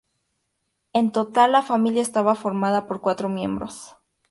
En total la familia estaba formada por cuatro miembros.